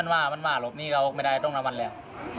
ผลของทันก่อนแล้ว๓ครั้งแล้ว